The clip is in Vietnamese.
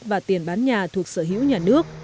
và tiền bán nhà thuộc sở hữu nhà nước